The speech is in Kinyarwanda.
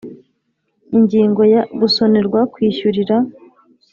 Ingingo ya gusonerwa kwishyurira